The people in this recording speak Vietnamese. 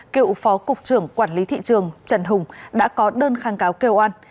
cựu phó cục trưởng quản lý thị trường trần hùng đã có đơn kháng cáo kêu an